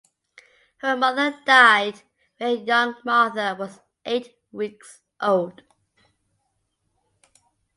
Her mother died when young Martha was eight weeks old.